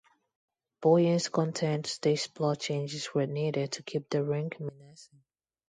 Boyens contends these plot changes were needed to keep the Ring menacing.